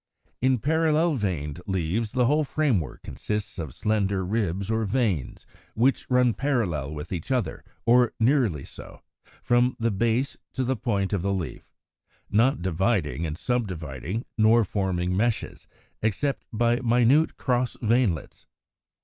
128. In parallel veined leaves, the whole framework consists of slender ribs or veins, which run parallel with each other, or nearly so, from the base to the point of the leaf, not dividing and subdividing, nor forming meshes, except by minute cross veinlets.